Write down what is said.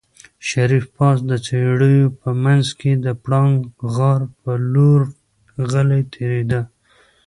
شريف پاس د څېړيو په منځ کې د پړانګ غار په لور غلی تېرېده.